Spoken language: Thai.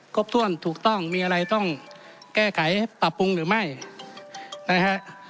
ครบถ้วนถูกต้องมีอะไรต้องแก้ไขปรับปรุงหรือไม่นะฮะ